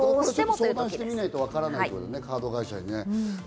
相談してみないとわからないってことだね、カード会社に。